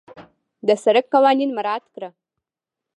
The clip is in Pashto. د سړک قوانين مراعت کړه.